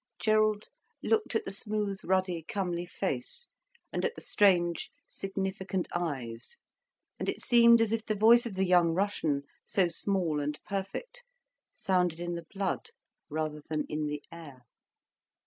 Gerald looked at the smooth, ruddy, comely face, and at the strange, significant eyes, and it seemed as if the voice of the young Russian, so small and perfect, sounded in the blood rather than in the air.